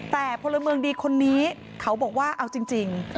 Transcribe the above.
แต่พลเมืองดีคนนี้เขาบอกว่าเอาจริง